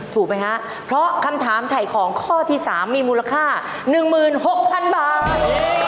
ถูกไหมฮะเพราะคำถามถ่ายของข้อที่๓มีมูลค่า๑๖๐๐๐บาท